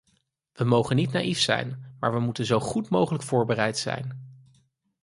We mogen niet naïef zijn maar we moeten zo goed mogelijk voorbereid zijn.